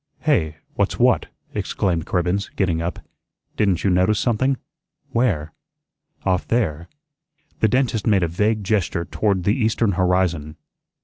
"Hey? What's what?" exclaimed Cribbens, getting up. "Didn't you notice something?" "Where?" "Off there." The dentist made a vague gesture toward the eastern horizon.